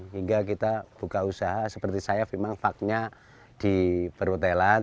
hingga kita buka usaha seperti saya memang faktanya di perhotelan